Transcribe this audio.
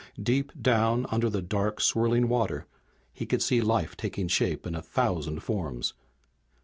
Deep down under the dark, swirling water he could see life taking shape in a thousand forms.